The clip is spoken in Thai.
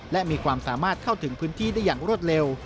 และมีความสามารถเข้าถึงพื้นที่ได้อย่างรวดเร็ว